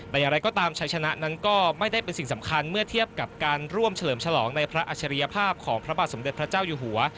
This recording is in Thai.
แต่อย่างไรก็ตามชัยชนะนั้นก็ไม่ได้เป็นสิ่งสำคัญเมื่อเทียบกับการร่วมเฉลิมฉลองในพระอัจฉริยภาพของพระบาทสมเด็จพระเจ้าอยู่หัว